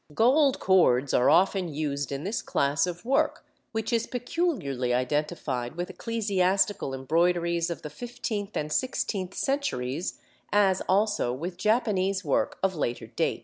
Gold cords are often used in this class of work, which is peculiarly identified with ecclesiastical embroideries of the fifteenth and sixteenth centuries, as also with Japanese work of later date.